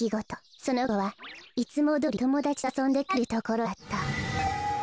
そのこはいつもどおりともだちとあそんでかえるところだった。